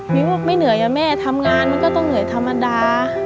บอกไม่เหนื่อยอะแม่ทำงานมันก็ต้องเหนื่อยธรรมดา